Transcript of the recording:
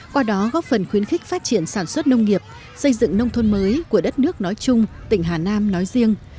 qua đó góp phần khuyến khích phát triển sản xuất nông nghiệp xây dựng nông thôn mới của đất nước nói chung tỉnh hà nam nói riêng